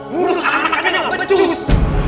ngurus anak aja gak betus